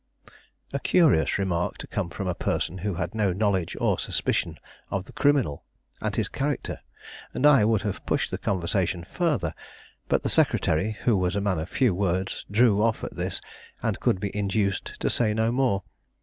A curious remark to come from a person who had no knowledge or suspicion of the criminal and his character; and I would have pushed the conversation further, but the secretary, who was a man of few words, drew off at this, and could be induced to say no more.